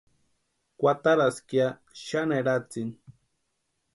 Kwataraska ya xani eratsini.